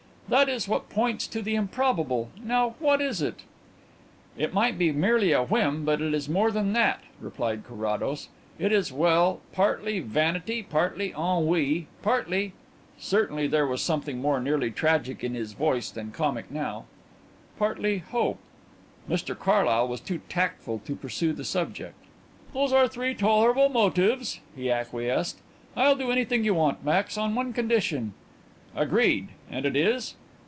That is what points to the improbable. Now what is it?" "It might be merely a whim, but it is more than that," replied Carrados. "It is, well, partly vanity, partly ennui, partly" certainly there was something more nearly tragic in his voice than comic now "partly hope." Mr Carlyle was too tactful to pursue the subject. "Those are three tolerable motives," he acquiesced. "I'll do anything you want, Max, on one condition." "Agreed. And it is?"